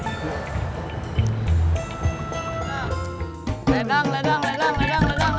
ledang ledang ledang ledang ledang ledang ledang